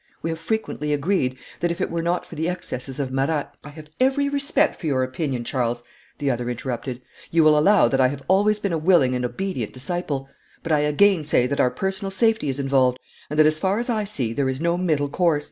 We have frequently agreed that if it were not for the excesses of Marat ' 'I have every respect for your opinion, Charles,' the other interrupted. 'You will allow that I have always been a willing and obedient disciple. But I again say that our personal safety is involved, and that, as far as I see, there is no middle course.